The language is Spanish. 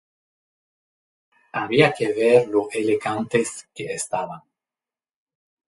Había que ver lo elegantes que estaban.